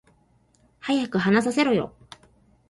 早く話させろよ